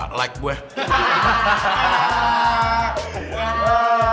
oke dari gimana